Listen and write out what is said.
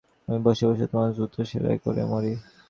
আমি বসে বসে তোমার জুতো সেলাই করে মরি।